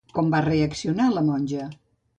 Com va reaccionar la monja?